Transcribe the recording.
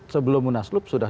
sebelum munasilup sudah